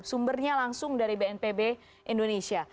sumbernya langsung dari bnpb indonesia